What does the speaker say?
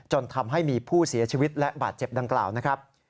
จนทำให้มีผู้เสียชีวิตและบาดเจ็บดังกล่าวนะครับ